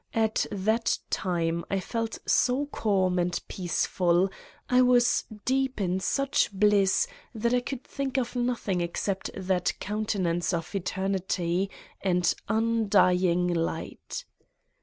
At that time I felt so calm and peaceful, I was deep in such bliss that I could think of nothing except that countenance of eternity and undying light